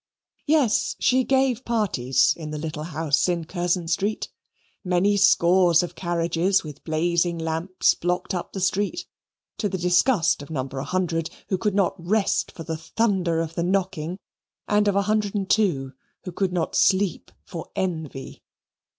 Yes, she gave parties in the little house in Curzon Street. Many scores of carriages, with blazing lamps, blocked up the street, to the disgust of No. 100, who could not rest for the thunder of the knocking, and of 102, who could not sleep for envy.